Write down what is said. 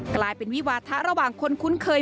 กลายเป็นวิวาทะระหว่างคนคุ้นเคย